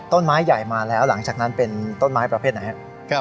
ต้นไม้ใหญ่มาแล้วหลังจากนั้นเป็นต้นไม้ประเภทไหนครับ